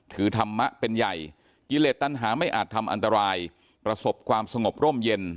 ธรรมะเป็นใหญ่กิเลสตันหาไม่อาจทำอันตรายประสบความสงบร่มเย็น